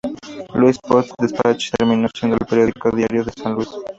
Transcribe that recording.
Louis Post-Dispatch", que terminó siendo el periódico diario de San Luis.